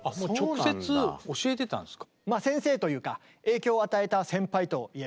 直接教えてたんすか。